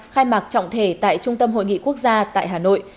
khai mạc trọng thể tại trung tâm hội nghị quốc gia tại hà nội